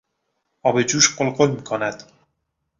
آب جوش غل غل میکند.